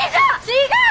違う。